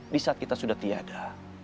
disaat kita sudah tiada